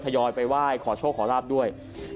ยอยไปไหว้ขอโชคขอลาบด้วย